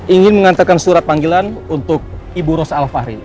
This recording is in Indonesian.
ingin mengantarkan surat panggilan untuk ibu rosa alfahri